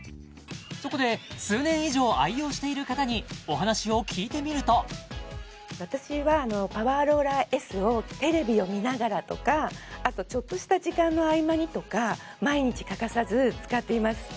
そこで数年以上愛用している方にお話を聞いてみると私はパワーローラーＳをあとちょっとした時間の合間にとか毎日欠かさず使っています